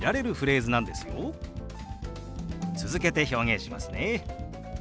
続けて表現しますね。